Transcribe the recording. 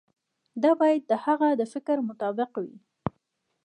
دا باید د هغه د فکر مطابق وي.